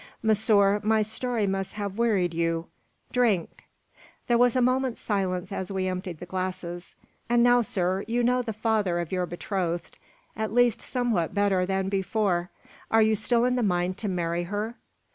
"Monsieur, my story must have wearied you. Drink!" There was a moment's silence as we emptied the glasses. "And now, sir, you know the father of your betrothed, at least somewhat better than before. Are you still in the mind to marry her?"